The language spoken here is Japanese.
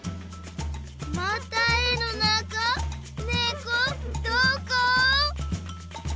また絵のなかねこどこ？